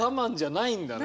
ないんだね。